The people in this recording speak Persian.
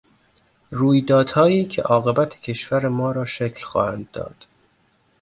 رویدادهایی که عاقبت کشور ما را شکل خواهند داد